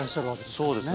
そうですね。